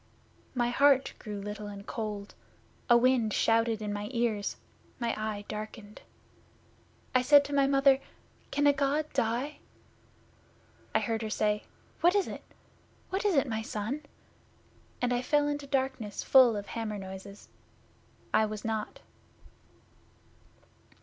My heart grew little and cold; a wind shouted in my ears; my eye darkened. I said to my Mother, "Can a God die?" I heard her say, "What is it? What is it, my son?" and I fell into darkness full of hammer noises. I was not.